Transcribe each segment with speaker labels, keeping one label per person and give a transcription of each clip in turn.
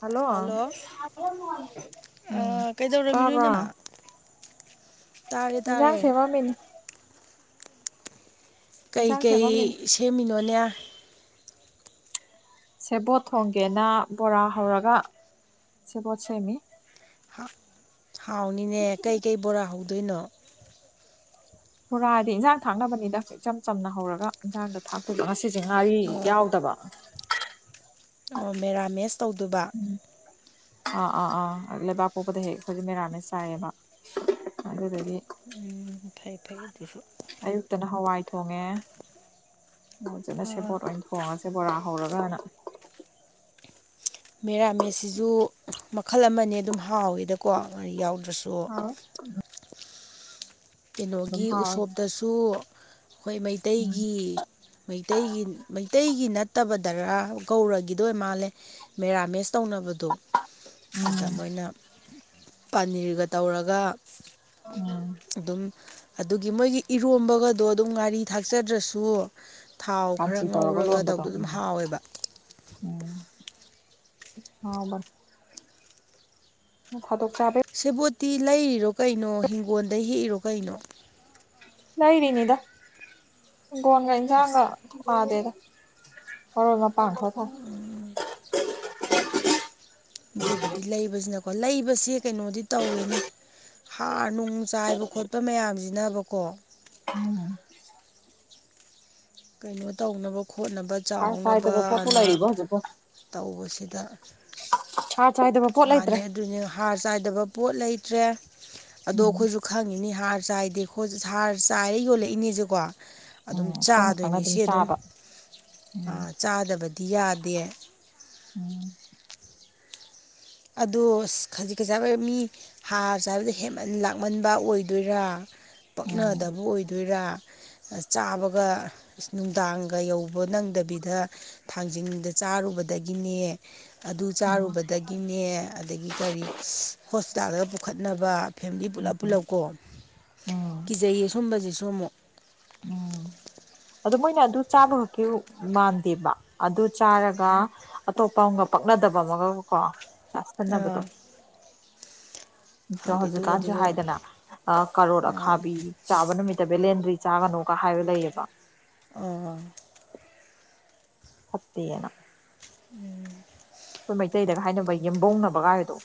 Speaker 1: Hello ꯎꯝ
Speaker 2: ꯀꯩꯗꯧꯔꯝꯃꯤꯅꯣ
Speaker 1: ꯇꯥꯕꯥ
Speaker 2: ꯏꯅꯝꯃ ꯇꯥꯔꯦ
Speaker 1: ꯖꯥꯡꯁꯦ
Speaker 2: ꯇꯥꯔꯦ
Speaker 1: ꯃꯃꯤꯅꯤ ꯏꯟꯁꯥꯡ
Speaker 2: ꯀꯩꯀꯩ
Speaker 1: ꯁꯦꯝꯃꯝꯃꯤꯅꯤ
Speaker 2: ꯁꯦꯝꯃꯤꯅꯣꯅꯦ
Speaker 1: ꯁꯦꯕꯣꯠ ꯊꯣꯡꯒꯦꯅ ꯕꯣꯔꯥ ꯍꯧꯔꯒ ꯁꯦꯕꯣꯠ ꯁꯦꯝꯃꯤ
Speaker 2: ꯍꯥꯎꯅꯤꯅꯦ ꯀꯩꯀꯩ ꯕꯣꯔꯥ ꯍꯧꯗꯣꯏꯅꯣ
Speaker 1: ꯄꯨꯣꯔꯥꯗꯤ ꯏꯟꯖꯥꯡ ꯊꯥꯛꯅꯕꯅꯤꯗ ꯏꯆꯝ ꯆꯝꯅ ꯍꯧꯔꯒ ꯏꯟꯖꯥꯡꯗꯣ ꯊꯥꯛꯇꯣꯏꯗꯣ ꯉꯁꯤ ꯁꯤꯁꯦ ꯉꯥꯔꯤ
Speaker 2: ꯑꯣ
Speaker 1: ꯌꯥꯎꯗꯕ
Speaker 2: ꯑꯣ ꯃꯦꯔꯥꯃꯦꯁ ꯇꯧꯗꯕ
Speaker 1: ꯑꯥ ꯑꯥ ꯑꯥ ꯂꯩꯕꯥꯛ ꯄꯣꯛꯕꯗ ꯍꯦꯛ ꯍꯧꯖꯤꯛ ꯃꯦꯔꯥꯅ ꯆ ꯁꯥꯏꯌꯦꯕ ꯑꯗꯨ ꯀꯔꯤ
Speaker 2: ꯍꯩꯗꯨꯁꯨ
Speaker 1: ꯐꯇꯅ ꯍꯋꯥꯏ ꯊꯣꯡꯉꯦ ꯐꯖꯅ
Speaker 2: ꯑꯥ
Speaker 1: ꯁꯦꯕꯣꯠ ꯑꯣꯏꯅ ꯊꯣꯡꯉꯁꯦ ꯕꯣꯔꯥ ꯍꯧꯔꯒꯅ
Speaker 2: ꯃꯦꯔꯥꯃꯦꯠꯁꯤꯁꯨ ꯃꯈꯜ ꯑꯃꯅꯦ ꯑꯗꯨꯝ ꯍꯥꯎꯋꯦꯗꯀꯣ ꯌꯥꯎꯗꯦ
Speaker 1: ꯍꯥꯎ
Speaker 2: ꯀꯩꯅꯣꯒꯤ
Speaker 1: ꯍꯥꯎꯋꯦ
Speaker 2: ꯎꯁꯣꯞꯇꯁꯨ ꯍꯣꯏ ꯃꯩꯇꯩꯒꯤ ꯃꯩꯇꯩꯒꯤ ꯃꯩꯇꯩꯒꯤ ꯅ ꯐꯠꯇꯕ ꯗꯔꯥ ꯧꯔꯒꯤꯗꯣꯏ ꯃꯥꯜꯂꯦ ꯃꯦꯔꯥꯃꯦꯁ ꯇꯧꯅꯕꯗꯣ ꯑꯗ ꯃꯣꯏꯅ ꯄꯅꯤꯔꯒ ꯇꯧꯔꯒ
Speaker 1: ꯎꯝ
Speaker 2: ꯑꯗꯨꯝ ꯑꯗꯨꯒꯤ ꯃꯣꯏꯒꯤ ꯏꯔꯣꯝꯕꯒꯗꯣ ꯑꯗꯨꯝ ꯉꯥꯔꯤ ꯊꯥꯛꯆꯗ꯭ꯔꯁꯨ ꯊꯥꯎ ꯈꯔ
Speaker 1: ꯁꯥꯟꯇꯤ ꯇꯧꯔꯒ
Speaker 2: ꯉꯧꯔꯒ
Speaker 1: ꯂꯣꯟꯕꯗꯣ
Speaker 2: ꯇꯧꯗꯣ ꯑꯗꯨꯝ ꯍꯥꯎꯋꯦꯕ
Speaker 1: ꯑꯥꯎꯁ ꯐꯠꯇꯣꯛ ꯆ꯭ꯔꯥ
Speaker 2: ꯁꯦꯕꯣꯠꯇꯤ ꯂꯩꯔꯤꯔꯣ ꯀꯩꯅꯣ ꯍꯤꯡꯒꯣꯜꯗ ꯍꯦꯛꯏꯔꯣ ꯀꯩꯅꯣ
Speaker 1: ꯂꯩꯔꯤꯅꯤꯗꯒꯣ ꯏꯖꯥꯡꯒ
Speaker 2: ꯑꯁ
Speaker 1: ꯊꯃꯥꯗꯗ ꯑꯣꯔ ꯄꯥꯡꯈꯣ ꯊ
Speaker 2: ꯀꯣ ꯂꯩꯕꯕꯁꯤ ꯀꯩꯅꯣꯗꯤ ꯇꯧꯋꯦꯅꯦ ꯍꯥꯔ ꯅꯨꯡ ꯆꯥꯏꯕ ꯈꯣꯠꯄ ꯃꯌꯥꯝꯁ ꯅꯕꯀꯣ ꯀꯩꯅꯣ ꯇꯧꯅꯕ ꯈꯣꯠꯅꯕ
Speaker 1: ꯍꯥꯔ ꯆꯥꯏꯗꯕ ꯄꯣꯠꯄꯨ
Speaker 2: ꯆꯥꯎꯅꯕꯅ
Speaker 1: ꯂꯩꯔꯤꯕꯣ ꯍꯧꯖꯤꯛꯄꯣ
Speaker 2: ꯇꯧꯕꯁꯤꯗ
Speaker 1: ꯍꯥꯔ ꯆꯥꯏꯗꯕ ꯄꯣꯠ
Speaker 2: ꯃꯥꯅꯤ
Speaker 1: ꯂꯩꯇ꯭ꯔꯦ
Speaker 2: ꯑꯗꯨꯅꯦ ꯍꯥꯔ ꯆꯥꯏꯗꯕ ꯄꯣꯠ ꯂꯩꯇ꯭ꯔꯦ ꯑꯗꯣ
Speaker 1: ꯎꯝ
Speaker 2: ꯑꯩꯈꯣꯏꯁꯨ ꯈꯪꯉꯤꯅꯤ ꯍꯥꯔ ꯆꯥꯏꯗꯦ ꯍꯥꯔ ꯆꯥꯏꯔ ꯌꯣꯜꯂꯛꯏꯅꯦꯁꯦꯀꯣ ꯑꯗꯨꯝ
Speaker 1: ꯎꯝ ꯈꯪꯅ ꯈꯪꯅ
Speaker 2: ꯆꯥꯗꯣꯏꯅꯤ ꯁꯤ ꯑꯗꯨꯝ
Speaker 1: ꯆꯥꯕ ꯎꯝ
Speaker 2: ꯆꯥꯗꯕꯗꯤ ꯌꯥꯗꯦ
Speaker 1: ꯎꯝ
Speaker 2: ꯑꯗꯣ ꯈꯖꯤꯛ ꯈꯖꯤꯛ ꯃꯤ ꯍꯥꯔ ꯆꯥꯕꯗ ꯍꯦꯃꯟ ꯂꯥꯛꯃꯟꯕ ꯑꯣꯏꯗꯣꯏꯔꯥ
Speaker 1: ꯎꯝ
Speaker 2: ꯄꯛꯅꯗꯕ ꯑꯣꯏꯗꯣꯏꯔꯥ ꯆꯥꯕꯒ ꯅꯨꯡꯗꯥꯡꯒ ꯌꯧꯕ ꯅꯪꯗꯕꯤꯗ ꯊꯥꯡꯖꯤꯡꯗ ꯆꯥꯔꯨꯕꯗꯒꯤꯅꯦ ꯑꯗꯨ ꯆꯥꯔꯨꯕꯗꯒꯤꯅꯦ ꯑꯗꯒꯤ ꯀꯔꯤ ꯍꯣꯁꯄꯤꯇꯥꯜꯗ ꯄꯨꯈꯠꯅꯕ ꯐꯦꯃꯤꯂꯤ ꯄꯨꯂꯞ ꯄꯨꯜꯂꯞꯀꯣ
Speaker 1: ꯎꯝ
Speaker 2: ꯀꯤꯖꯩ ꯑꯁꯨꯝꯕꯁꯤꯁꯨ ꯑꯃꯨꯛ
Speaker 1: ꯎꯝ ꯑ ꯃꯣꯏꯅ ꯑꯗꯨ ꯆꯥꯕ ꯈꯛꯀꯤ ꯃꯥꯟꯗꯦꯕ ꯑꯗꯨ ꯆꯥꯔꯒ ꯑꯇꯣꯞꯄ ꯑꯃꯒ ꯄꯛꯅꯗꯕ ꯑꯃꯒ ꯀꯣ ꯁꯁꯇ
Speaker 2: ꯑꯥ
Speaker 1: ꯅꯕꯗꯣ ꯑꯣ
Speaker 2: ꯈꯪꯗꯦ
Speaker 1: ꯍꯧꯖꯤꯛꯀꯥꯟꯁꯨ
Speaker 2: ꯑꯗꯨꯒꯗꯤꯗꯣ
Speaker 1: ꯍꯥꯏꯗꯅ ꯀꯔꯣꯔ
Speaker 2: ꯃꯥꯅꯤ
Speaker 1: ꯑꯈꯥꯕꯤ ꯆꯥꯕ ꯅꯨꯃꯤꯠ ꯕꯦꯂꯦꯟꯗ꯭ꯔꯤ ꯆꯥꯒꯅꯨꯒ ꯍꯥꯏꯕ ꯂꯩꯌꯦꯕ
Speaker 2: ꯑꯣ
Speaker 1: ꯐꯠꯇ ꯌꯦꯅ
Speaker 2: ꯎꯝ
Speaker 1: ꯑꯩꯈꯣꯏ ꯃꯩꯇꯩꯗꯒ ꯍꯥꯏꯅꯕ ꯌꯦꯦꯝꯕꯧꯅꯕꯒꯥꯏꯕꯗꯣ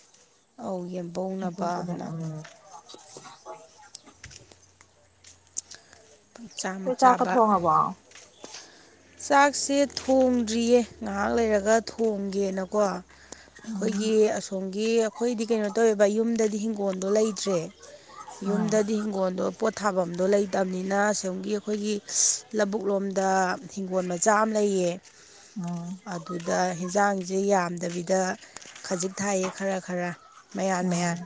Speaker 2: ꯑꯧ ꯌꯦꯝꯕꯧꯅꯕ ꯍꯥꯏꯅ
Speaker 1: [inaudible]
Speaker 2: ꯆꯥꯃ
Speaker 1: ꯆꯥꯛ ꯀ
Speaker 2: ꯆꯥꯕ
Speaker 1: ꯊꯣꯡꯉꯥꯕꯣ
Speaker 2: ꯆꯥꯛꯁꯦ ꯊꯣꯡꯗ꯭ꯔꯤꯌꯦ ꯉꯥꯏꯍꯥꯛ ꯂꯩꯔꯒ ꯊꯣꯡ ꯈꯣꯏꯒꯦ ꯑꯁꯣꯝꯒꯦ ꯑꯩꯈꯣꯏꯗꯦ ꯀꯔꯤꯅꯣ ꯇꯥꯏꯕ ꯑꯁꯣꯃꯒꯦ ꯑꯦꯡꯈꯣꯜꯒꯤ ꯍꯤꯡꯒꯣꯜꯗꯣ ꯂꯩꯇ꯭ꯔꯦ
Speaker 1: ꯎꯝ
Speaker 2: ꯌꯨꯝꯗꯗꯤ ꯍꯤꯡꯒꯣꯜꯗꯣ ꯊꯥꯐꯝꯗꯣ ꯂꯩꯇꯕꯅꯤꯅ ꯑꯁꯣꯝꯒꯤ ꯑꯩꯈꯣꯏꯒꯤ ꯂꯧꯕꯨꯛ ꯂꯣꯝꯗ ꯍꯤꯡꯒꯣꯜ ꯃꯆꯥ ꯑꯃ ꯂꯩꯌꯦ
Speaker 1: ꯎꯝ
Speaker 2: ꯑꯗꯨꯗ ꯍꯟꯖꯥꯡꯁꯦ ꯌꯥꯝꯗꯕꯤꯗ ꯈꯖꯤꯛ ꯊꯥꯏꯌꯦ ꯈꯔ ꯈꯔ ꯃꯌꯥꯟ ꯃꯌꯥꯟ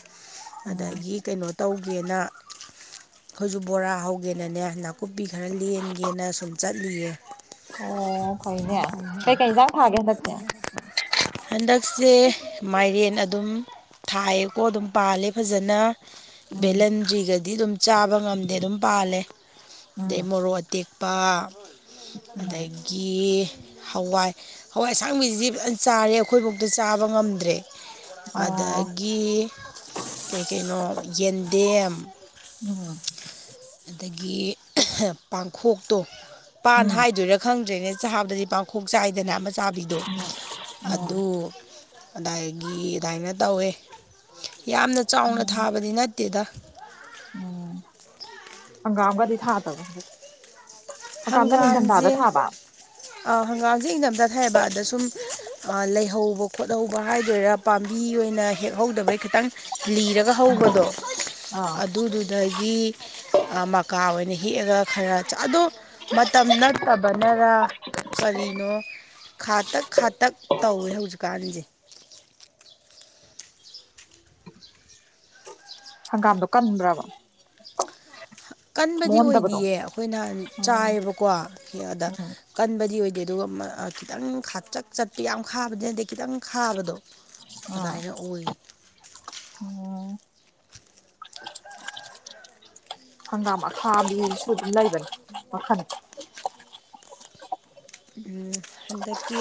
Speaker 2: ꯑꯗꯒꯤ ꯀꯩꯅꯣ ꯇꯧꯒꯦꯅ ꯑꯩꯈꯣꯏꯁꯨ ꯕꯣꯔꯥ ꯍꯧꯒꯦꯅꯅꯦ ꯅꯥꯀꯨꯞꯄꯤ ꯈꯔ ꯂꯦꯟꯒꯦꯅ ꯁꯨꯝ ꯆꯠꯂꯤ
Speaker 1: ꯑꯣ ꯐꯩꯅꯦ ꯀꯩ ꯀꯩꯖ ꯊꯥꯒꯦ ꯅꯠꯇꯌꯥ
Speaker 2: ꯍꯟꯗꯛꯁꯦ ꯃꯥꯏꯔꯦꯟ ꯑꯗꯨꯝ ꯊꯥꯏꯌꯦꯀꯣ ꯑꯗꯨꯝ ꯄꯥꯜꯂꯦ ꯐꯖꯅ
Speaker 1: ꯎꯝ
Speaker 2: ꯚꯦꯂꯟꯗ꯭ꯔꯤꯒꯗꯤ ꯑꯗꯨꯝ ꯆꯥꯕ ꯉꯝꯗꯦ ꯑꯗꯨꯝ ꯄꯥꯜꯂꯦ
Speaker 1: ꯎꯝ
Speaker 2: ꯑꯗꯩ ꯃꯣꯔꯣꯛ ꯑꯇꯦꯛ ꯄ
Speaker 1: ꯎꯝ
Speaker 2: ꯑꯗꯒꯤ ꯍꯋꯥꯏ ꯍꯋꯥꯏ ꯑꯁꯥꯡꯕꯤꯁꯤ ꯐꯖ ꯆꯥꯔꯦ ꯑꯩꯈꯣꯏꯐꯧꯗ ꯆꯥꯕ ꯉꯝꯗ꯭ꯔꯦ
Speaker 1: ꯑꯣ
Speaker 2: ꯑꯗꯒꯤ ꯀꯩ ꯀꯩꯅꯣ ꯌꯦꯟꯗꯦꯝ
Speaker 1: ꯎꯝ
Speaker 2: ꯑꯗꯒꯤ ꯄꯥꯡꯈꯣꯛꯇꯣ ꯄꯥꯟ
Speaker 1: ꯎꯝ
Speaker 2: ꯍꯥꯏꯗꯣꯏꯔꯥ ꯈꯪꯗ꯭ꯔꯦꯅꯦ ꯆꯥꯕꯗꯗꯤ ꯄꯥꯡꯈꯣꯛ ꯆꯥꯏꯗ ꯗꯅ ꯑꯃ ꯆꯥꯕꯤꯗꯣ
Speaker 1: ꯎꯝ
Speaker 2: ꯑꯗꯨ ꯑꯗꯨꯗꯒꯤ ꯑꯗꯨꯃꯥꯏꯅ ꯇꯧꯋꯦ ꯌꯥꯝꯅ ꯆꯥꯎꯅ ꯊꯥꯕꯗꯤ ꯅꯠꯇꯦꯗ
Speaker 1: ꯎꯝ ꯍꯪꯒꯥꯒꯥꯗꯤ ꯊꯥ ꯇꯕ
Speaker 2: ꯍꯪꯒꯥꯝꯁꯦ ꯑ ꯍꯪꯒꯥꯝꯁꯦ ꯏꯪꯅꯝꯇ ꯊꯩꯌꯦꯕ ꯑꯗ ꯁꯨꯝ ꯂꯩꯍꯧꯕ ꯈꯣꯠꯍꯧꯕ ꯍꯥꯏꯗꯣꯏꯔꯥ ꯄꯥꯝꯕꯤ ꯑꯣꯏꯅ ꯍꯦꯛꯍꯧꯗꯕꯩ ꯈꯤꯇꯪ ꯂꯤꯔꯒ ꯍꯧꯕꯗꯣ
Speaker 1: ꯑꯥ
Speaker 2: ꯑꯗꯨꯗꯨꯗꯒꯤ ꯃꯀꯥ ꯑꯣꯏꯅ ꯍꯦꯛꯛꯑꯒ ꯈꯔ ꯑꯗꯣ ꯃꯇꯝ ꯅꯠꯇꯕꯅꯔ ꯀꯔꯤꯅꯣ ꯈꯥꯇꯛ ꯈꯥꯇꯛ ꯇꯧꯋꯦ ꯍꯧꯖꯤꯛꯀꯥꯟꯁꯦ
Speaker 1: ꯍꯪꯒꯥꯝꯗꯣ ꯀꯟꯕ꯭ꯔꯕ
Speaker 2: ꯀꯟꯕꯗꯤ
Speaker 1: ꯃꯣꯟꯗꯕꯗꯣ
Speaker 2: ꯑꯣꯏꯗꯤꯌꯦ ꯑꯩꯈꯣꯏ ꯅꯍꯥꯟ
Speaker 1: ꯑꯣ
Speaker 2: ꯆꯥꯏꯌꯦꯕꯀꯣ ꯑꯗ ꯀꯟꯕꯗꯤ ꯑꯣꯏ ꯑꯗꯨꯒ ꯈꯤꯇꯪ ꯆꯛ ꯆꯠꯄ ꯌꯥꯝ ꯈꯥꯕꯗꯤ ꯅꯠꯇꯦ ꯈꯤꯇꯪ ꯈꯥꯕꯗꯣ
Speaker 1: ꯑ
Speaker 2: ꯑꯗꯨꯃꯥꯏꯅ ꯑꯣꯏ
Speaker 1: ꯎꯝ
Speaker 2: [inaudible]
Speaker 1: ꯍꯪꯒꯥꯝ ꯃꯈꯥꯒꯤꯁꯨ ꯑꯗꯨꯝ ꯂꯩꯕꯅꯤ ꯃꯈꯜ
Speaker 2: ꯝ ꯍꯟꯗꯛꯀꯤ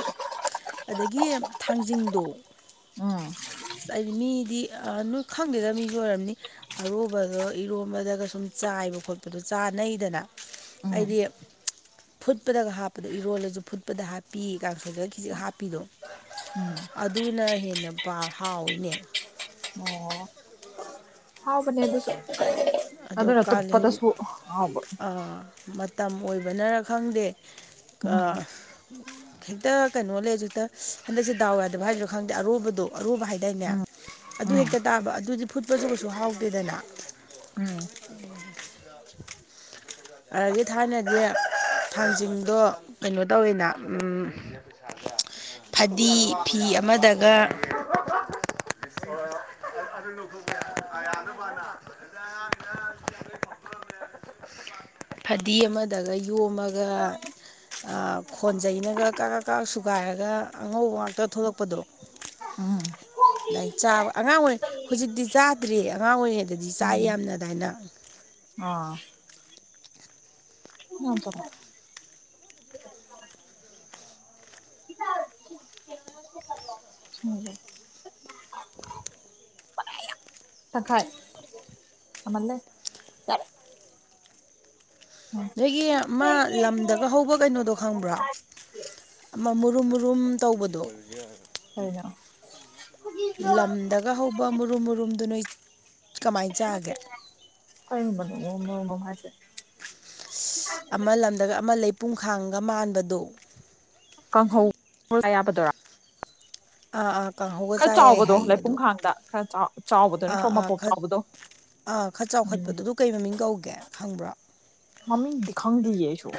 Speaker 2: ꯑꯗꯒꯤ ꯊꯥꯡꯖꯤꯡꯗꯣ꯫
Speaker 1: ꯎꯝ
Speaker 2: [unintelligible] ꯑꯁ ꯑꯩꯗꯤ ꯃꯤꯗꯤ ꯑ ꯅꯣꯏ ꯈꯪꯗꯦꯗ ꯃꯤꯁꯨ ꯑꯣꯏꯔꯝꯅꯤ ꯑꯔꯨꯕꯗꯣ ꯏꯔꯣꯟꯝꯕꯗꯒ ꯁꯨꯝ ꯆꯥ ꯑꯥꯏꯕ ꯈꯠꯄꯗ ꯆꯥꯅꯩꯗꯅ
Speaker 1: ꯎꯝ
Speaker 2: ꯍꯥꯏꯗꯤ ꯐꯨꯠꯄꯗ ꯍꯥꯞꯄ ꯏꯔꯣꯜꯂꯁꯨ ꯐꯨꯠꯄꯗ ꯍꯥꯞꯄꯤ ꯀꯥꯡꯁꫭꯏꯗ ꯈꯤꯖꯤꯛ ꯍꯥꯞꯄꯤꯗꯣ꯫
Speaker 1: ꯎꯝ
Speaker 2: ꯑꯗꯨꯅ ꯍꯦꯟꯅ ꯕ ꯍꯥꯎꯋꯏꯅꯦ꯫
Speaker 1: ꯑꯣ ꯍꯥꯎꯕꯅꯦ ꯑꯗꯨꯁꯨ
Speaker 2: ꯑꯗꯣ
Speaker 1: ꯑꯗꯨꯅ
Speaker 2: ꯀꯥꯂꯦ ꯍꯧꯖꯤꯛ
Speaker 1: ꯇꯨꯄꯗꯁꯨꯥ ꯍꯥꯎꯕ꯫
Speaker 2: ꯃꯇꯝ ꯑꯣꯏꯕꯅꯔ ꯈꯪꯗꯦ꯫
Speaker 1: ꯎꯝ
Speaker 2: ꯀꯥ ꯍꯦꯛꯇ ꯀꯩꯅꯣ ꯂꯩꯁꯨ ꯍꯦꯛꯇ ꯍꯟꯗꯛꯁꯦ ꯗꯥꯎ ꯌꯥꯗꯕ ꯍꯥꯏꯗꯣꯏ꯭ꯔꯥ ꯈꯪꯗꯦ ꯑꯔꯨꯕꯗꯣ꯫ ꯑꯔꯨꯕ ꯍꯥꯏꯗꯥꯏꯅꯦ
Speaker 1: ꯎꯝ
Speaker 2: ꯑꯗꯨ
Speaker 1: ꯎꯝ
Speaker 2: ꯍꯦꯛꯇ ꯇꯥꯕ ꯑꯗꯨꯗꯤ ꯐꯨꯠꯄꯁꯨ ꯀꯩꯁꯨ ꯍꯥꯎꯗꯦꯗꯅ꯫
Speaker 1: ꯎꯝ
Speaker 2: ꯑꯗꯒꯤ ꯊꯥꯏꯅꯗꯤ ꯊꯥꯡꯖꯤꯡꯗꯣ ꯀꯩꯅꯣ ꯇꯧꯋꯤꯅ ꯝ ꯐꯗꯤ ꯐꯤ ꯑꯃꯗꯒ [inaudible] [unintelligible] ꯐꯗꯤ ꯑꯃꯗꯒ ꯌꯣꯝꯑꯒ ꯑꯥ ꯈꯣꯟꯖꯩꯅꯒ ꯀ ꯀ ꯁꯨꯒꯥꯏꯔꯒ ꯑꯉꯧꯕ ꯉꯥꯛꯇ ꯊꯣꯛꯂꯛꯄꯗꯣ
Speaker 1: [unintelligible]
Speaker 2: [unintelligible] ꯑꯗꯥꯏꯅ ꯆꯥꯕ ꯑꯉꯥꯡ ꯑꯣꯏꯔꯤꯉꯩ ꯍꯧꯖꯤꯛꯇꯤ ꯆꯥꯗ꯭ꯔꯤ ꯑꯉꯥꯡ ꯑꯣꯏꯔꯤꯉꯩꯗꯗꯤ ꯆꯥꯏ
Speaker 1: ꯎꯝ
Speaker 2: ꯌꯥꯝꯅ ꯑꯗꯥꯏꯅ꯫
Speaker 1: ꯑꯥ [inaudible] [unintelligible] ꯁꯤꯡꯖꯦ ꯇꯪꯈꯥꯏ ꯌꯥꯝꯃꯜꯂꯦ꯫ ꯌꯥꯔꯦ ꯎꯝ
Speaker 2: ꯅꯣꯏꯒꯤ ꯃꯥ ꯂꯝꯗꯒ ꯍꯧꯕ ꯀꯩꯅꯣꯗꯣ ꯈꯪꯕ꯭ꯔꯣ꯫ ꯑꯃ ꯃꯨꯔꯨꯝ-ꯃꯨꯔꯨꯝ ꯇꯧꯕꯗꯣ꯫
Speaker 1: ꯀꯔꯤꯅꯣ
Speaker 2: ꯂꯝꯗꯒ ꯍꯧꯕ ꯃꯔꯨꯝ ꯃꯔꯨꯝꯗꯨ ꯅꯣꯏ ꯀꯃꯥꯏꯅ ꯆꯥꯒꯦ꯫
Speaker 1: ꯀꯔꯝꯕꯅꫭ ꯅꫭꯡꯃꫭꯝ ꯍꯥꯥꯏꯁꯦ꯫
Speaker 2: ꯑꯃ ꯂꯝꯗꯒ ꯑꯃ ꯂꯩ ꯄꯨꯝꯈꯥꯡꯒ ꯃꯥꯟꯕꯗꯣ꯫
Speaker 1: ꯀꯥꯡꯍꯧ ꯌꯥꯕꯗꫭꯔꫭ꯫
Speaker 2: ꯑꯥ ꯑꯥ ꯀꯥꯡꯍꯧꯒ ꯆꯥ ꯌꯥꯏ
Speaker 1: ꯆꯥꯎꯕꯗꯣ
Speaker 2: ꯍꯥꯏꯌꯦ ꯑꯗꯣ꯫
Speaker 1: ꯂꯩꯄꯨꯡꯈꯥꯡꯗ ꯈꯔ ꯆꯥꯎ ꯆꯥꯎꯕꯗꯣ
Speaker 2: ꯑꯥ
Speaker 1: ꯅꯠꯇ꯭ꯔꯣ ꯃꯄꯣꯛ ꯆꯥꯎꯕꯗꯣ꯫
Speaker 2: ꯑꯥ ꯈꯠ ꯆꯥꯎꯈꯠꯄꯗꯨ ꯑꯗꯨ ꯀꯩ ꯃꯃꯤꯡ ꯀꯧꯒꯦ ꯈꯪꯕ꯭ꯔꯥ꯫
Speaker 1: ꯃꯃꯤꯡꯗꯤ ꯈꯪꯗꯌꯤꯦ ꯑꯩꯁꯨꯨ꯫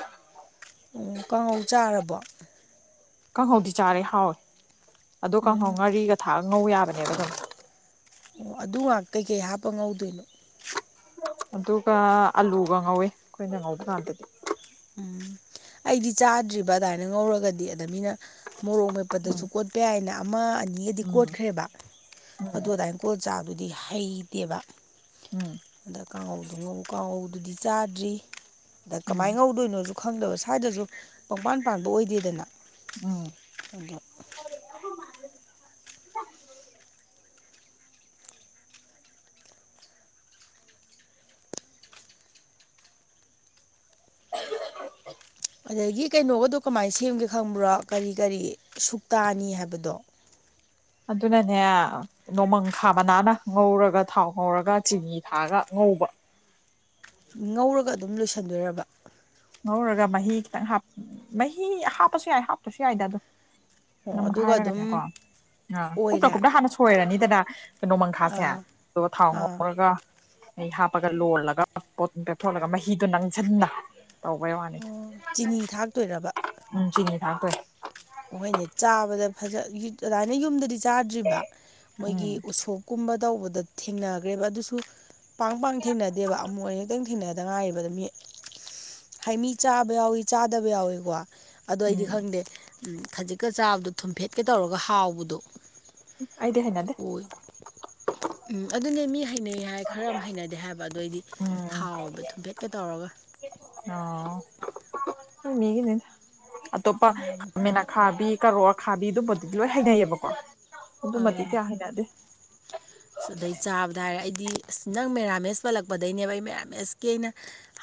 Speaker 2: ꯑꫭ ꯀꯥꯡꯉꯧ ꯆꯥꯔꯕꫭ꯫
Speaker 1: ꯀꯥꯡꯍꯧꯗꯤ ꯆꯥꯔꯦ ꯍꯥꯎꯋꯦ ꯑꯗꯣ
Speaker 2: ꯎꯝ
Speaker 1: ꯀꯥꯡꯍꯧ ꯉꯥꯔꯤꯒ ꯊꯥꯛ ꯉꯧ ꯌꯥ ꯃꯅꯦꯕꯗꯨꯝ
Speaker 2: ꯑꯣ ꯑꯗꯨ ꯉꯥꯛꯇꯀꯩ ꯍꯥꯞꯄ ꯉꯧꯗꯣꯏꯅꯣ꯫
Speaker 1: ꯑꯗꯨꯒ ꯑꯂꯨꯒ ꯉꯧꯋꯦ ꯑꯈꯣꯏꯅ ꯉꯧꯕ ꯀꯥꯟꯗꯗꯤ꯫
Speaker 2: ꯎꯝ ꯑꯩꯗꯤ ꯆꯥꯗ꯭ꯔꯤꯕ ꯑꯗꯨꯃꯥꯏꯅ ꯉꯧꯔꯒꯗꯤ ꯑꯗ ꯃꯤꯅ ꯃꯣꯔꯣꯛ ꯃꯦꯄꯗꯁꯨ ꯀꯣꯠꯄ ꯌꯥꯏꯅ ꯑꯃ ꯒꯗꯤ
Speaker 1: ꯎꯝ
Speaker 2: ꯀꯣꯠꯈ꯭ꯔꯦꯕ ꯑꯗꯨ ꯑꯗꯥꯏꯅ ꯀꯣꯜ ꯆꯥꯗꯨꯗꯤ ꯍꯩꯇꯦꯕ꯫
Speaker 1: ꯎꯝ
Speaker 2: ꯑꯗ ꯀꯥꯡꯉꯧꯗꯨ ꯉꯧ ꯀꯥꯡꯉꯧꯗꯨꯗꯤ ꯆꯥꯗ꯭ꯔꯤ ꯑꯗ
Speaker 1: ꯎꯝ
Speaker 2: ꯀꯃꯥꯏꯅ ꯉꯧ ꯁꯨ ꯈꯪꯗꯕ ꯁ꯭ꯋꯥꯏꯗꯁꯨ ꯃꯪꯄꯥꯟ ꯄꯥꯟꯕ ꯑꯣꯏꯗꯦꯗꯅ꯫
Speaker 1: ꯎꯝ
Speaker 2: ꯑꯗꫭ
Speaker 1: [unintelligible] [unintelligible]
Speaker 2: ꯑꯗꯒꯤ ꯀꯩꯅꯣꯒꯗꯣ ꯀꯃꯥꯏꯅ ꯁꯦꯝꯒꯦ ꯈꯪꯕ꯭ꯔꯣ ꯀꯔꯤ-ꯀꯔꯤ ꯁꯨꯛꯇꯥꯅꯤ ꯍꯥꯏꯕꯗꯣ꯫ [unintelligible]
Speaker 1: ꯑꯗꯨꯅꯅꯦ ꯅꯣꯡꯃꯪ ꯈꯥ ꯃꯅꯥꯅ ꯉꯧꯔꯒ ꯊꯥꯎ ꯉꯧꯔꯒ ꯆꯤꯅꯤ ꯊꯥꯒ ꯉꯧꯕ
Speaker 2: ꯉꯧꯔꯒ ꯑꯗꯨꯝ ꯂꯣꯏꯁꯟꯗꯣꯏꯔꯕ
Speaker 1: ꯉꯧꯔꯒ ꯃꯍꯤ ꯈꯤꯇꯪ ꯍꯥꯞ ꯃꯍꯤ ꯍꯥꯞꯄꯁꯨ ꯌꯥꯏ ꯍꯥꯞꯇ꯭ꯔꯁꯨ ꯌꯥꯏꯗ ꯑꯗꯨꯝ
Speaker 2: ꯑꯣ
Speaker 1: ꯅꯝ
Speaker 2: ꯑꯗꯨꯒ ꯑꯗꯨꯝ
Speaker 1: ꯘꯥꯏꯔꯒꯅꯦꯀꯣ ꯑ ꯀꯨꯞꯅ
Speaker 2: ꯑꯣꯏꯔꯦ
Speaker 1: ꯀꯨꯞꯅ ꯍꯥꯟꯅ ꯁꯣꯏꯔꯅꯤꯗꯅ ꯅꯣꯃꯪꯈꯥꯁꯦ
Speaker 2: ꯑꯥ
Speaker 1: ꯑꯗꯨꯒ ꯊꯥꯎ
Speaker 2: ꯑꯥ
Speaker 1: ꯉꯧꯔꯒ ꯃꯍꯤ ꯍꯥꯞꯄꯒ ꯂꯣꯜꯂꯒ ꯄꯣꯠꯇꯨ ꯄꯦꯊꯣꯛꯍꯜꯂꯒ ꯃꯍꯤꯗꯨ ꯅꯪꯁꯤꯟꯅ ꯇꯧꯕꯩ ꯋꯥꯅꯤꯗ
Speaker 2: ꯑꯣ ꯆꯤꯅꯤ ꯊꯥꯛꯇꯣꯏꯔꯕ
Speaker 1: ꯎꯝ ꯆꯤꯅꯤ ꯊꯥꯛꯇꯣꯏꯅꯤ
Speaker 2: ꯍꫭꯏꯅꯦ ꯆꯥꯕꯗ ꯐꯖ ꯌꯨ ꯑꯗꯨꯃꯥꯏꯅ ꯌꯨꯝꯗꯗꯤ ꯆꯥꯗ꯭ꯔꯤꯕ ꯃꯣꯏꯒꯤ
Speaker 1: ꯎꯝ
Speaker 2: ꯎꯁꯣꯛꯞ ꯀꯨꯝꯕ ꯇꯧꯕꯗ ꯊꯦꯡꯅꯈ꯭ꯔꯦꯕ ꯑꯗꯨꯁꯨ ꯄꯥꯡ ꯄꯥꯡ ꯊꯦꯡꯅꯗꯦꯕ ꯑꯃꯨꯛ ꯑꯅꯤꯔꯛꯇꯪ ꯊꯦꯡꯅꯗ ꯉꯥꯏꯔꯤꯕꯗ ꯃꯤ ꯍꯥꯏ ꯃꯤ ꯆꯥꯕ ꯌꯥꯎꯋꯤ ꯆꯥꯗꯕ ꯌꯥꯎꯏꯀꯣ ꯑꯗꫭ ꯑꯩꯗꯤ
Speaker 1: ꯎꯝ
Speaker 2: ꯈꯪꯗꯦ ꯈꯖꯤꯛꯀ ꯆꯥꯕꯗꯣ ꯊꯨꯝꯐꯦꯠꯀ ꯇꯧꯔꯒ ꯍꯥꯎꯕꯗꯣ
Speaker 1: ꯑꯩꯗꯦ ꯍꯩꯅꯗꯦ
Speaker 2: ꯑꯣꯏ ꯎꯝ ꯑꯗꯨꯅꯦ ꯃꯤ ꯍꯩꯅꯩ ꯍꯥꯏ ꯈꯔ ꯑꯃ ꯍꯩꯅꯗꯦ ꯍꯥꯏꯕ ꯑꯗꯨ ꯑꯩꯗꯤ
Speaker 1: ꯎꯝ
Speaker 2: ꯍꯥꯎꯋꯦꯕ ꯊꯨꯝꯐꯦꯠꯀ ꯇꯧꯔꯒ
Speaker 1: ꯑꯣ ꯃꯤ ꯃꯤꯒꯤꯅꯤ ꯑꯇꯣꯞꯄ ꯈꯥꯃꯦꯟ ꯑꯈꯥꯕꯤ ꯀꯥꯔꫭ ꯈꯥꯕꯤ ꯑꯗꯨꯝꯕꯗꯨꯗꯤ ꯂꯣꯏ ꯍꯩꯅꯩꯌꯦꯕꯀꯣ ꯑꯗꯨꯃꯗꯤ
Speaker 2: ꯑꯥ
Speaker 1: ꯀꯌꯥ ꯍꯥꯏꯅꯗꯦ
Speaker 2: ꯑꯗꯩ ꯆꯥꯕꯗ ꯍꯥꯏꯔꯦ ꯑꯩꯗꯤ ꯑꯁ ꯅꯪ ꯃꯦꯔꯥꯃꯦꯁ ꯄꯜꯂꯛꯄꯗꯩꯅꯦꯕ ꯑꯩ ꯃꯦꯔꯥꯃꯦꯁꯀꯤ ꯑꯩꯅ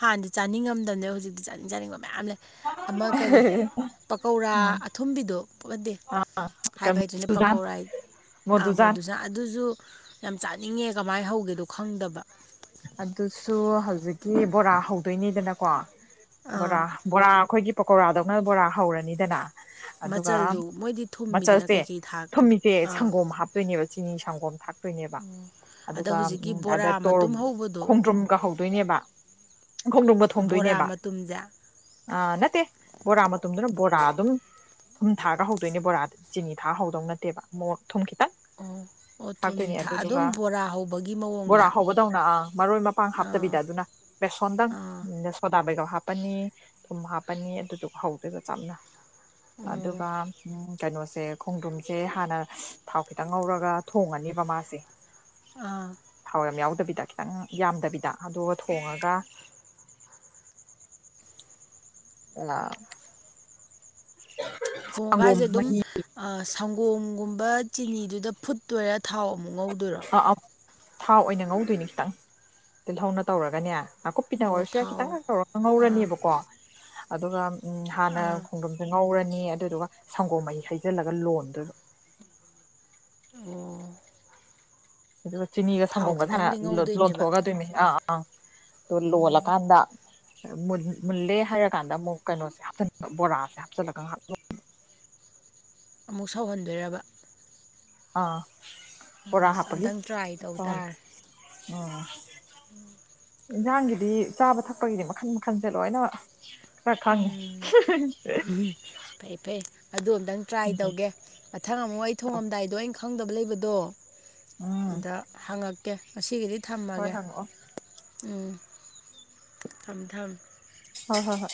Speaker 2: ꯍꯥꯟꯗꯤ ꯆꯥꯅꯤꯡꯉꯝꯗꯝꯅꯦ ꯍꯧꯖꯤꯛꯇꯤ ꯆꯥꯅꯤꯡ ꯆꯥꯅꯤꯡꯕ ꯃꯌꯥꯝ ꯂꯩ ꯑꯃ ꯀꯔꯤ ꯄꯀꯧꯔꯥ
Speaker 1: ꯎꯝ
Speaker 2: ꯑꯊꯨꯝꯕꯤꯗꯣ ꯄꯣ ꯑꯟꯗꯦ
Speaker 1: ꯑꯥ ꯀꯩ
Speaker 2: ꯍꯥꯏꯕ ꯍꯩꯇ꯭ꯔꯦꯅꯦ
Speaker 1: ꯃꯣꯗꯨꯖꯥꯟ
Speaker 2: ꯄꯀꯧꯔꯥꯏ ꯑꯥ ꯃꯣꯗꯨꯖꯥꯟ ꯑꯗꯨꯁꯨ ꯌꯥꯝ ꯆꯥꯅꯤꯡꯉꯦ ꯀꯃꯥꯏꯅ ꯍꯧꯒꯦꯗꯣ ꯈꯪꯗꯕ
Speaker 1: ꯑꯗꯨꯁꯨ ꯍꯧꯖꯤꯛꯀꯤ ꯕꯣꯔꯥ ꯍꯧꯗꯣꯏꯅꯤꯗꯅꯀꯣ ꯕꯣꯔꯥ
Speaker 2: ꯑꯥ
Speaker 1: ꯕꯣꯔꯥ ꯑꯩꯈꯣꯏꯒꯤ ꯄꯀꯧꯔꯥꯗꯧꯅ ꯕꯣꯔꯥ ꯍꯧꯔꯅꯤꯗꯅ ꯑꯗꯨꯒ
Speaker 2: ꯃꯆꯜꯗꯣ ꯃꯣꯏꯗꯤ ꯊꯨꯝꯃꯤꯗꯅ
Speaker 1: ꯃꯆꯜꯁꯦ
Speaker 2: ꯀꯩꯀꯩ ꯊꯥꯛꯄꯗꯣ
Speaker 1: ꯊꯨꯃꯤꯁꯦ
Speaker 2: ꯑꯥ
Speaker 1: ꯁꯪꯒꯣꯝ ꯍꯥꯞꯇꯣꯏꯅꯦꯕ ꯆꯤꯅꯤ ꯁꯪꯒꯣꯝ ꯊꯥꯛꯇꯣꯏꯅꯦꯕ
Speaker 2: ꯑꯗ
Speaker 1: ꯑꯗꯨꯒ
Speaker 2: ꯍꯧꯖꯤꯛꯀꯤ
Speaker 1: ꯎꯝ ꯑꯗ
Speaker 2: ꯕꯣꯔꯥ
Speaker 1: ꯇꯣꯔ
Speaker 2: ꯃꯇꯨꯝ ꯍꯧꯕꯗꯣ
Speaker 1: ꯈꯣꯡꯗ꯭ꯔꯨꯝ ꯀ ꯍꯧꯗꯣꯏꯅꯦꯕ ꯈꯣꯡꯗ꯭ꯔꯨꯝꯒ
Speaker 2: ꯕꯣꯔꯥ
Speaker 1: ꯊꯣꯡꯗꯣꯏꯅꯦꯕ
Speaker 2: ꯃꯇꯨꯝꯁꯦ
Speaker 1: ꯑ ꯅꯠꯇꯦ ꯕꯣꯔꯥ ꯃꯇꯨꯝꯗꯨꯅ ꯕꯣꯔꯥ ꯑꯗꯨꯝ ꯊꯨꯝ ꯊꯥꯛꯑꯒ ꯍꯧꯗꯣꯏꯅꯦ ꯕꯣꯔꯥꯗꯤ ꯆꯤꯅꯤ ꯊꯥꯛꯑ ꯍꯧꯗꫭꯏ ꯅꯠꯇꯦꯕ ꯃꯣ ꯊꯨꯝ ꯈꯤꯇꯪ
Speaker 2: ꯑꯣ ꯑꯣ
Speaker 1: ꯊꯥꯛꯇꯣꯏꯅꯦ
Speaker 2: ꯊꯨꯝ ꯊꯥꯛ
Speaker 1: ꯑꯗꯨꯗꯨꯒ
Speaker 2: ꯑꯗꯨꯝ ꯕꯣꯔꯥ ꯍꯧꯕꯒꯤ
Speaker 1: ꯕꯣꯔꯥ
Speaker 2: ꯃꯑꯣꯡꯗ
Speaker 1: ꯍꯧꯕꯗꯧꯅ ꯑꯪ ꯃꯔꫭꯏ
Speaker 2: ꯑꯥ
Speaker 1: ꯃꯄꯥꯡ‌ꯍꯥꯞꯇꯕꯤꯗ ꯑꯗꯨꯅ ꯕꯦꯁꫭꯟ ꯗꯪ
Speaker 2: ꯑꯥ
Speaker 1: ꯗ ꯁꫭꯗꯥ ꯕꯩꯒꯞ ꯍꯥꯞꯄꯅꯤ ꯊꯨꯝ ꯍꯥꯞꯄꯅꯤ ꯑꯗꯨꯗꯨꯒ ꯍꯧꯗꯣꯏꯕ ꯆꯝꯅ
Speaker 2: ꯑꯣ
Speaker 1: ꯑꯗꯨꯒ ꯎꯝ ꯀꯩꯅꯣꯁꯦ ꯈꯣꯡꯗ꯭ꯔꯨꯝꯁꯦ ꯍꯥꯟꯅ ꯊꯥꯎ ꯈꯤꯇꯪ ꯉꯧꯔꯒ ꯊꯣꯡꯉꯅꯦꯕ ꯃꯥꯁꯦ
Speaker 2: ꯑꯥ
Speaker 1: ꯊꯥꯎ ꯌꯥꯎꯗꯕꯤꯗ ꯈꯤꯇꯪ ꯌꯥꯝꯗꯕꯤꯗ ꯑꯗꯨꯒ ꯊꯣꯉꯒ [inaudible]
Speaker 2: ꯊꯣꯡꯉꯒ ꯍꯥꯏꯁꯦ ꯑꯗꯨꯝ
Speaker 1: ꯃꯍꯤ
Speaker 2: ꯁꯪꯒꯣꯝꯒꯨꯝꯕ ꯆꯤꯅꯤꯗꯨꯗ ꯐꯨꯠꯇꯣꯏꯔ ꯊꯥꯎ ꯑꯃꯨꯛ ꯉꯧꯗꫭꯏꯔꫭ
Speaker 1: ꯑꯥ ꯑꯥ ꯊꯥꯎ ꯑꯣꯏꯅ ꯉꯧꯗꯣꯏꯅꯤ ꯈꯤꯇꯪ ꯇꯤꯜꯍꯧꯅ ꯇꯧꯔꯒꯅꯦ ꯅꯥꯀꯨꯞꯄꯤꯅ
Speaker 2: ꯑꯣ
Speaker 1: ꯑꯣꯏꯔꯁꯨ ꯌꯥꯏ
Speaker 2: ꯊꯥꯎ
Speaker 1: ꯈꯤꯇꯪ ꯈꯛ ꯇꯧꯔꯒ
Speaker 2: ꯑꯥ
Speaker 1: ꯉꯧꯔꯅꯦꯕꯀꯣ ꯑꯗꯨꯒ ꯎꯝ ꯍꯥꯟꯅ
Speaker 2: ꯑꯥ
Speaker 1: ꯈꯣꯡꯗ꯭ꯔꯨꯝꯁꯦ ꯉꯧꯔꯅꯤ ꯑꯗꯨꯗꯨꯒ ꯁꯪꯒꯣꯝ ꯃꯍꯤ ꯍꯩꯖꯜꯂꯒ ꯂꯣꯟꯗꫭꯏꯕ
Speaker 2: ꯑꯣ
Speaker 1: ꯑꯗꯨꯒ ꯆꯤꯅꯤꯒ
Speaker 2: ꯊꯥꯎ
Speaker 1: ꯁꯪꯒꯣꯝꯒꯁꯤ
Speaker 2: ꯈꯤꯇꯪꯗꯤ
Speaker 1: ꯍꯥꯟꯅ
Speaker 2: ꯉꯧꯗꯣꯏꯅꯦꯕ
Speaker 1: ꯂꯣꯟꯊꯣꯛꯑꯒ ꯗꫭꯏꯃꯤ ꯑꯥ ꯑꯥ ꯗꯨ ꯂꫭꯜꯂ ꯀꯥꯟꯗ ꯃꯨꯜ ꯃꯨꯜꯂꯦ ꯍꯥꯏꯔꯀꯥꯟꯗ ꯑꯃꯨꯛ ꯀꯩꯅꯣꯁꯦ ꯍꯥꯞꯆꯟꯕ ꯕꯣꯔꯥꯁꯦ ꯍꯥꯞꯆꯤꯜꯂꯒ ꯉꯍꯥꯛ ꯂꫭꯟ
Speaker 2: ꯑꯃꯨꯛ ꯁꯧꯍꯟꯗꯣꯏꯔꯕ
Speaker 1: ꯑꯥ ꯕꫭꯔꯥ
Speaker 2: ꯑꯁ
Speaker 1: ꯍꯥꯞꯄꯒꯤ
Speaker 2: ꯑꯝꯇꯪ ꯇ꯭ꯔꯥꯏ
Speaker 1: ꯁꯧꯍꯟ ꯑꯥ
Speaker 2: ꯎꯝ
Speaker 1: ꯏꯟꯖꯥꯡꯒꯤꯗꯤ ꯆꯥꯕ ꯊꯛꯄꯒꯤꯗꯤ ꯃꯈꯟ ꯃꯈꯜꯁꯦ ꯂꯣꯏꯅ ꯈꯔ ꯗꯪꯉꯦ
Speaker 2: ꯐꯩ ꯐꯩ ꯑꯗꯨ ꯑꯝꯇꯪ ꯇ꯭ꯔꯥꯏ ꯇꯧꯒꯦ ꯃꯊꯪ ꯑꯃꯨꯛ ꯑꯩ ꯊꯣꯡꯉꯝꯗꯥꯏꯗꯣ ꯑꯩꯅ ꯈꯪꯗꯕ ꯂꯩꯕꯗꯣ
Speaker 1: ꯎꯝ
Speaker 2: ꯑꯗ ꯍꯥꯡꯉꯛꯀꯦ ꯉꯁꯤꯒꯤꯗꯤ
Speaker 1: ꯍꯣꯏ
Speaker 2: ꯊꯝꯃꯒꯦ
Speaker 1: ꯍꯉꯛꯑꯣ
Speaker 2: ꯎꯝ ꯆꯝ ꯊꯝ
Speaker 1: ꯍꯣꯏ ꯍꯣꯏ ꯍꯣꯏ